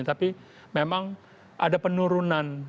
tapi memang ada penurunan